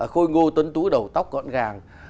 khôi ngô tuấn tú đầu tóc gọn gàng